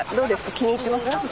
気に入ってます。